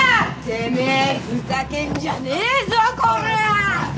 てめえふざけんじゃねえぞこらぁ！